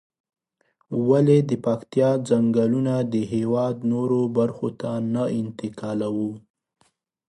ولې د پکتيا ځنگلونه د هېواد نورو برخو ته نه انتقالوو؟